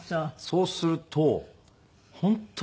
そうすると本当に母親に。